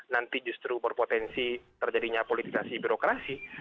nanti justru berpotensi terjadinya politisasi birokrasi